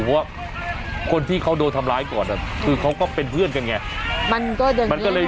กระบวนขึ้นเพราะคนที่เขาโดนทำลายก่อนน่ะคือเค้าก็เป็นเพื่อนกันเงี่ย